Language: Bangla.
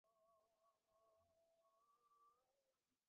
তিনি বাংলার অন্যতম বিশিষ্ট শিক্ষাবিদ ডিরোজিওর সান্নিধ্য লাভ করেন।